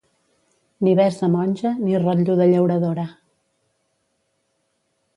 Ni bes de monja, ni rotllo de llauradora.